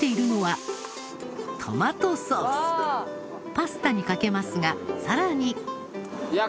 パスタにかけますがさらに。